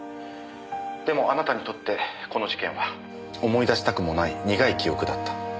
でもあなたにとってこの事件は思い出したくもない苦い記憶だった。